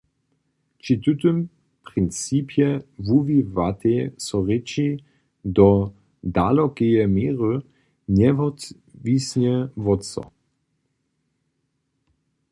Při tutym principje wuwiwatej so rěči do dalokeje měry njewotwisnje wot so.